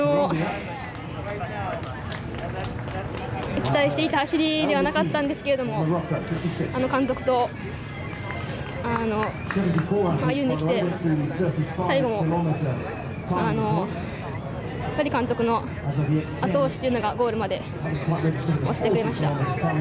期待していた走りではなかったんですけど、監督と歩んできて、最後も監督の後押しというのがゴールまで押してくれました。